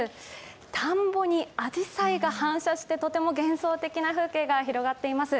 田んぼにあじさいが反射してとても幻想的な風景が広がっています。